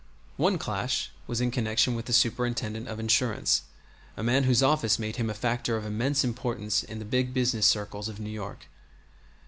One clash was in connection with the Superintendent of Insurance, a man whose office made him a factor of immense importance in the big business circles of New York.